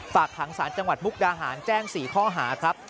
ฝากขังสารจังหวัดมุกดาหารแจ้ง๔ข้อหาครับ